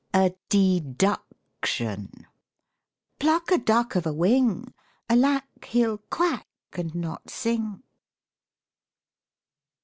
A DE DUCK TION Pluck A duck Of a wing. Alack! He'll quack, And not sing.